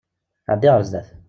Ɛeddi ɣer zdat!